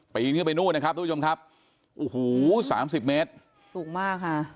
ปีนขึ้นไปนู่นนะครับทุกผู้ชมครับโอ้โหสามสิบเมตรสูงมากค่ะ